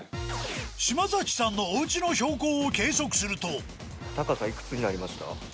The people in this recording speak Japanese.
嶋崎さんのお家の標高を計測すると高さいくつになりました？